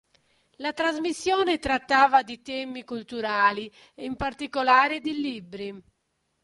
La trasmissione trattava di temi culturali e in particolare di libri.